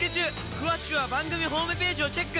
詳しくは番組ホームページをチェック！